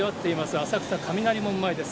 浅草・雷門前です。